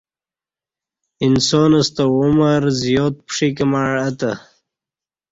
انسان ستہ عمر زیات پشیک مع ا تہ